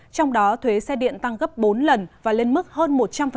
trong đó thuế xe điện tăng gấp bốn lần và lên mức hơn một trăm linh